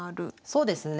そうですね。